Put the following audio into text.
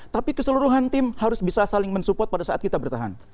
tapi keseluruhan tim harus bisa saling mensupport pada saat kita bertahan